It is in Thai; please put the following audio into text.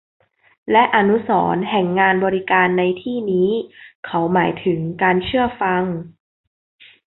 และอนุสรณ์แห่งงานบริการในที่นี้เขาหมายถึงการเชื่อฟัง